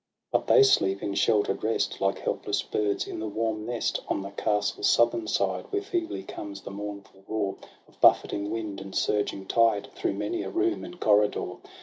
But they sleep in shelter'd rest, Like helpless birds in the warm nest, On the castle's southern side ; Where feebly comes the mournful roar Of buffeting wind and surging tide Through many a room and corridor.